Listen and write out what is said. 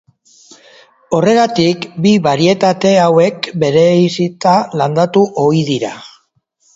Horregatik bi barietate hauek bereizita landatu ohi dira.